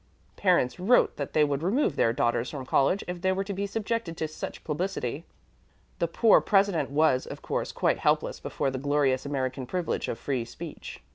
Parents wrote that they would remove their daughters from college if they were to be subjected to such publicity; and the poor president was, of course, quite helpless before the glorious American privilege of free speech.